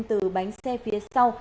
từ bánh xe phía sau